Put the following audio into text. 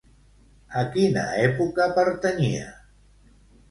A quina època pertanyia?